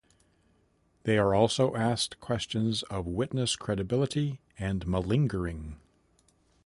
They are also asked questions of witness credibility and malingering.